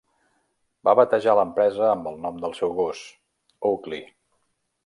Va batejar l'empresa amb el nom del seu gos: Oakley.